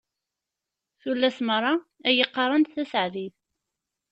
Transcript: Tullas meṛṛa ad yi-qqarent taseɛdit.